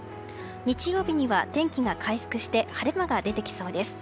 日曜日には天気が回復して晴れ間が出てきそうです。